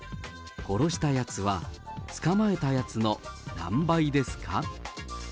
殺したやつは捕まえたやつの何倍ですか？